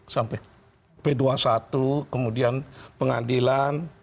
sampai p dua puluh satu kemudian pengadilan